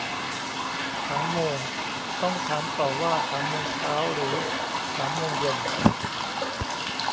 สามโมง ต้องถามต่อว่าสามโมงเช้าหรือสามโมงเย็น